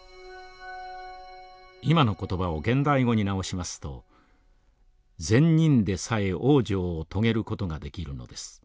今の言葉を現代語に直しますと「善人でさえ往生を遂げることができるのです。